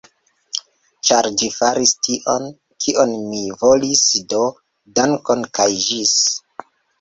Ĉar vi faris tion, kion mi volis do dankon, kaj ĝis!